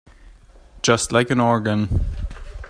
Just like an organ.